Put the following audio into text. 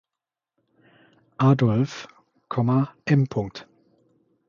Adolph“, „M.